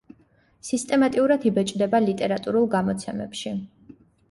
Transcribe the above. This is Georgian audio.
სისტემატიურად იბეჭდება ლიტერატურულ გამოცემებში.